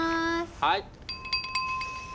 はい。